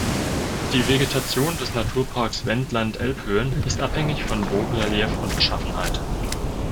Die Vegetation des Naturparks Wendland-Elbhöhen ist abhängig von Bodenrelief und -beschaffenheit.